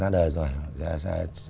là ra đời rồi